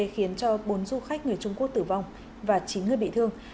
khiến cho bốn du khách người trung quốc tử vong và chín người bị thương